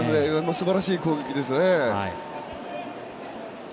すばらしい攻撃でしたね。